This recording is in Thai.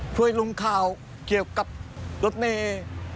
ช่วยลงข่าวเกี่ยวกับรถเมย์